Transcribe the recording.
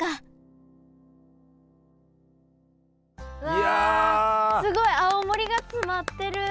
うわすごい青森が詰まってる！